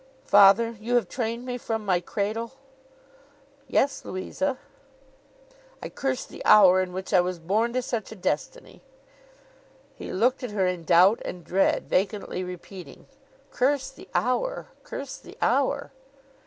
'Father, you have trained me from my cradle?' 'Yes, Louisa.' 'I curse the hour in which I was born to such a destiny.' He looked at her in doubt and dread, vacantly repeating: 'Curse the hour? Curse the hour?